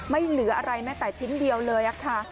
ไม่เหลืออะไรแม้แต่ชิ้นเดียวเลยค่ะ